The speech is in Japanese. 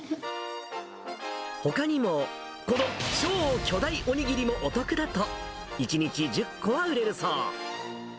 ほかにも、この超巨大おにぎりもお得だと、１日１０個は売れるそう。